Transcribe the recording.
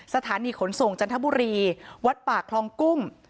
สถานีขนระส่งจรปุรีวัดป่ากฮองกุ้ง